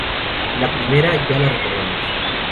La primera, ya la recordamos.